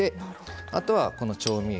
あとは、この調味液。